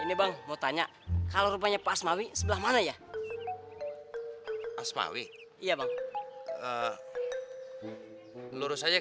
ini bang mau tanya kalau rupanya pak asmawi sebelah mana ya asmawi iya bang lurus aja